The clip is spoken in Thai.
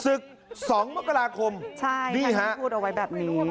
ศึก๒มกราคมดีฮะใช่ท่านพี่พูดเอาไว้แบบนี้